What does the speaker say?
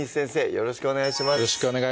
よろしくお願いします